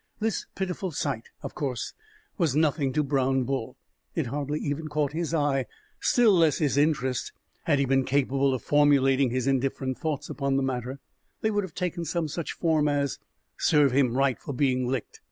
This pitiful sight, of course, was nothing to Brown Bull. It hardly even caught his eye, still less his interest. Had he been capable of formulating his indifferent thoughts upon the matter, they would have taken some such form as: "Serve him right for being licked!"